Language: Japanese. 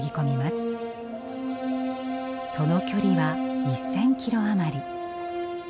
その距離は１，０００キロ余り。